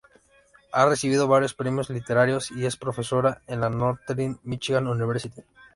Ha recibido varios premios literarios y es profesora en la Northern Michigan University.